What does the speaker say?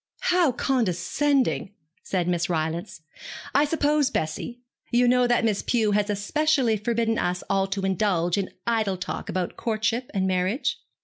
'How condescending!' said Miss Rylance. 'I suppose, Bessie, you know that Miss Pew has especially forbidden us all to indulge in idle talk about courtship and marriage?'